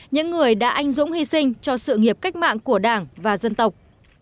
những người đã anh dũng hy sinh cho sự nghiệp cách mạng của đảng và dân tộc